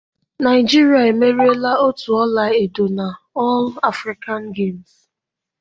Naịjirịa e meriela otu ọla edo na All-Africa Games..